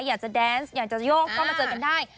อยากจะแดนส์อยากจะโยกเข้ามาเจอกันได้